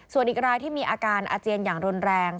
ส่วนอีกรายที่มีอาการอาเจียนอย่างรุนแรง